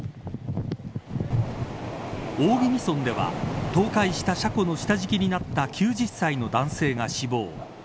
大宜味村では倒壊した車庫の下敷きになった９０歳の男性が死亡。